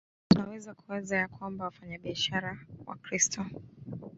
Tunaweza kuwaza ya kwamba wafanyabiashara Wakristo